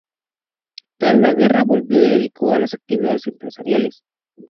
Tras la guerra volvió y se dedicó a las actividades empresariales.